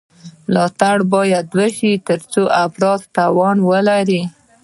ملاتړ باید وشي ترڅو افراد توان ولري.